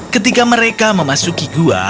ketika mereka memasuki gua